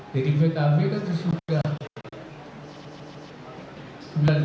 jadi pkb kan itu sudah